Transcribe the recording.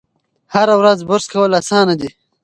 هره ورځ برس کول اسانه دي.